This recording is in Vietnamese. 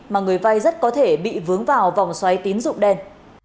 mà người vay rất có thể bị vướng vào vòng xoáy tín dụng đen